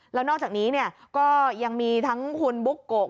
แล้วนอกจากนี้ก็ยังมีทั้งคุณบุ๊กโกะ